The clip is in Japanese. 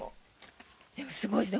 でも、すごいですね